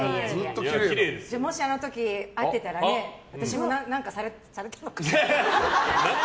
もしあの時、会ってたら私も何かされたのかな。